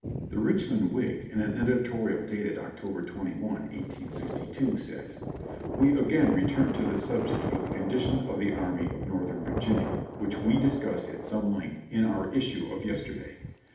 The Richmond Whig, in an editorial dated October 21, 1862, says : "We again return to the subject of the condition of the Army of Northern Virginia, which we discussed at some length in our issue of yesterday.